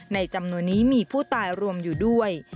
จำนวนนี้มีผู้ตายรวมอยู่ด้วย